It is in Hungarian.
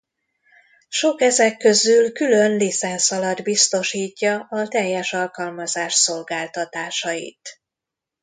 Sok ezek közül külön licenc alatt biztosítja a teljes alkalmazás szolgáltatásait.